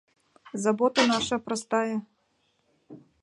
Забота наша простая: